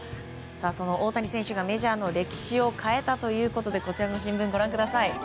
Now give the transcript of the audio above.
その大谷選手がメジャーの歴史を変えたということでこちらの新聞をご覧ください。